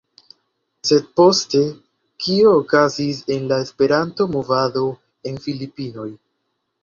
Sed poste, kio okazis en la Esperanto-Movado en Filipinoj?